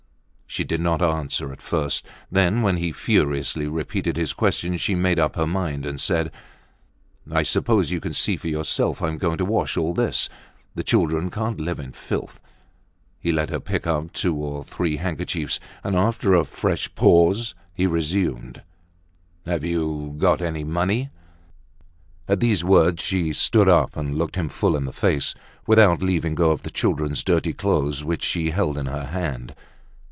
She did not answer at first. Then, when he furiously repeated his question, she made up her mind, and said: "I suppose you can see for yourself. I'm going to wash all this. The children can't live in filth." He let her pick up two or three handkerchiefs. And, after a fresh pause, he resumed: "Have you got any money?" At these words she stood up and looked him full in the face, without leaving go of the children's dirty clothes, which she held in her hand.